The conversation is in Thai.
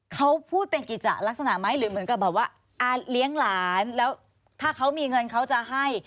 เขาพูดเป็นกิจจะลักษณะไหมหรือเหมือนกับแบบว่าเลี้ยงหลานแล้วถ้าเขามีเงินเขาจะให้